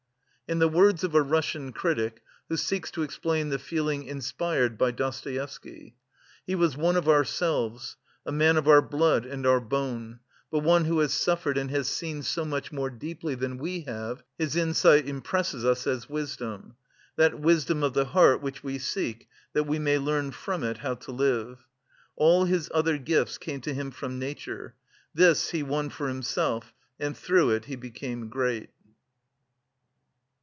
In the words of a Russian critic, who seeks to explain the feeling inspired by Dostoevsky: "He was one of ourselves, a man of our blood and our bone, but one who has suffered and has seen so much more deeply than we have his insight impresses us as wisdom... that wisdom of the heart which we seek that we may learn from it how to live. All his other gifts came to him from nature, this he won for himself and through it he became great."